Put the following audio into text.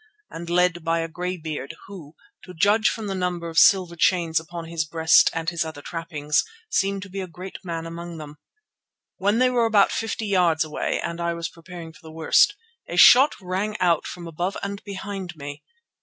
and led by a grey beard who, to judge from the number of silver chains upon his breast and his other trappings, seemed to be a great man among them. When they were about fifty yards away and I was preparing for the worst, a shot rang out from above and behind me.